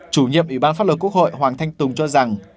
chủ nhiệm ủy ban pháp luật quốc hội hoàng thanh tùng cho rằng